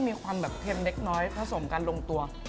มีความแบบเค็มเล็กน้อยผสมกันลงตัว